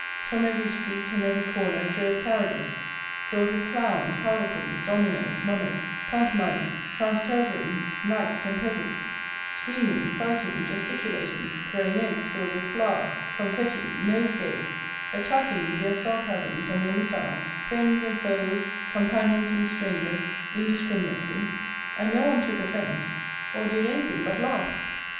From every street and every corner drove carriages filled with clowns, harlequins, dominoes, mummers, pantomimists, Transteverins, knights, and peasants, screaming, fighting, gesticulating, throwing eggs filled with flour, confetti, nosegays, attacking, with their sarcasms and their missiles, friends and foes, companions and strangers, indiscriminately, and no one took offence, or did anything but laugh.